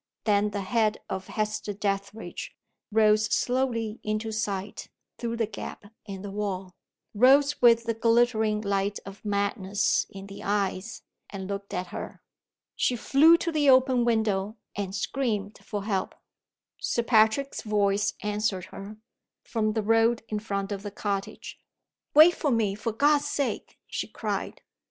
Then the head of Hester Dethridge rose slowly into sight through the gap in the wall rose with the glittering light of madness in the eyes, and looked at her. She flew to the open window, and screamed for help. Sir Patrick's voice answered her, from the road in front of the cottage. "Wait for me, for God's sake!" she cried.